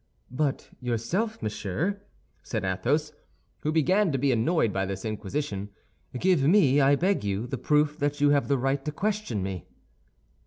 "But yourself, monsieur," said Athos, who began to be annoyed by this inquisition, "give me, I beg you, the proof that you have the right to question me."